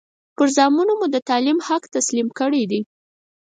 پر زامنو مو د تعلیم حق تسلیم کړی دی.